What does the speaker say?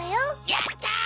やった！